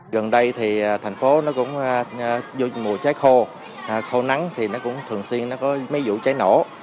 gần đây thì thành phố nó cũng mùa trái khô khô nắng thì nó cũng thường xuyên nó có mấy vụ cháy nổ